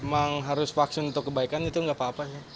emang harus vaksin untuk kebaikan itu nggak apa apa ya